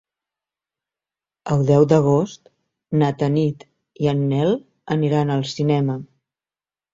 El deu d'agost na Tanit i en Nel aniran al cinema.